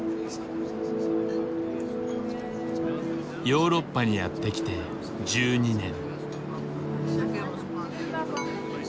ヨーロッパにやって来て１２年。